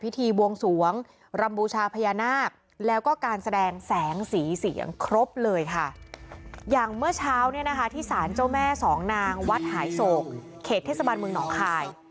ที่สารเจ้าแม่สองนางวัดหายโศกเขตเทศบันเมืองหนองคาย